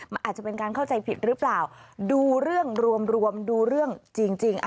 มาดูเรื่องรวมดูเรื่องจริง